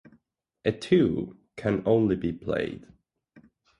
A two can only be played.